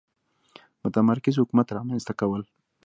متمرکز حکومت رامنځته کول.